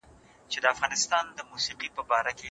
مدرسې د علمي پرمختګ د پراختیا خنډ دی.